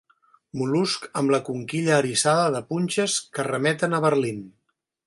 Mol·luscs amb la conquilla eriçada de punxes que remeten a Berlin.